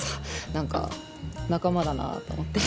何か仲間だなと思って。